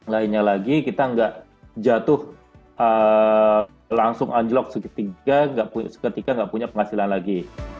lainnya lagi kita nggak jatuh langsung anjlok seketika nggak punya penghasilan lagi